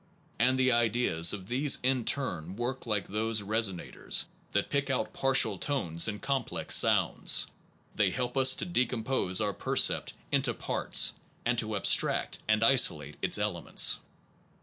And the ideas of these in turn work like those resonators that pick out partial tones in complex sounds. They help us to decompose our percept into parts and to ab stract and isolate its elements.